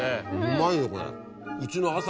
うまいよこれ。